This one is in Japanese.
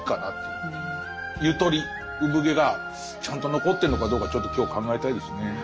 ゆとり生ぶ毛がちゃんと残ってるのかどうかちょっと今日考えたいですね。